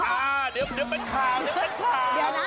อ่าเดี๋ยวเป็นข่าวเดี๋ยวเป็นข่าว